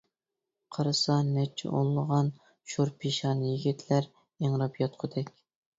قارىسا نەچچە ئونلىغان شور پېشانە يىگىتلەر ئىڭراپ ياتقۇدەك.